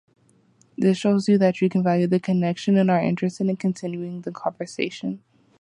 This shows that you value the connection and are interested in continuing the conversation.